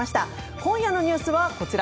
今夜のニュースはこちら。